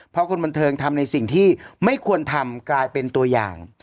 เพราะคนบันเทิงทำในสิ่งที่ไม่ควรทำกลายเป็นตัวอย่าง